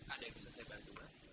ada yang bisa saya bantu pak